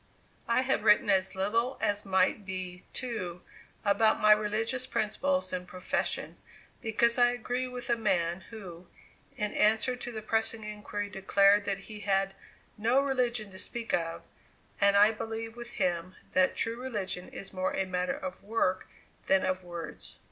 I have written as little as might be, too, about my religious principles and profession, because I agree with the man who, in answer to the pressing inquiry, declared that he had "no religion to speak of"; and I believe with him that true religion is more a matter of work than of words.